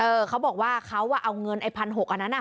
เขาบอกว่าเขาเอาเงินไอ้๑๖๐๐อันนั้นอ่ะ